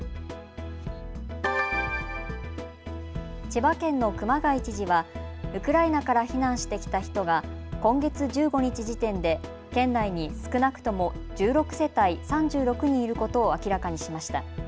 千葉県の熊谷知事はウクライナから避難してきた人が今月１５日時点で県内に少なくとも１６世帯３６人いることを明らかにしました。